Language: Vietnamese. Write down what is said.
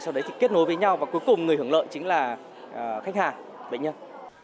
sau đấy thì kết nối với nhau và cuối cùng người hưởng lợi chính là khách hàng bệnh nhân